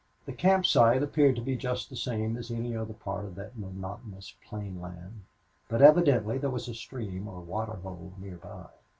The camp site appeared to be just the same as any other part of that monotonous plain land, but evidently there was a stream or water hole near by.